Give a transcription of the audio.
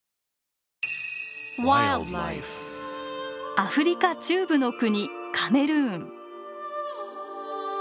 アフリカ中部の国カメルーン。